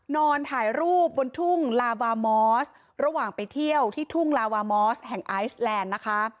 นอนถ่ายรูปบนทุ่งลาบามอสระหว่างไปเที่ยวที่ทุ่งลาวามอสแห่งไอซ์แลนด์นะคะ